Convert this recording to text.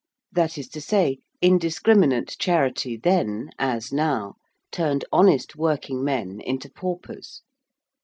That is to say, indiscriminate charity then, as now, turned honest working men into paupers.